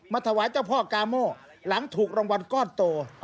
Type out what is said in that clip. ถวายเจ้าพ่อกาโม่หลังถูกรางวัลก้อนโต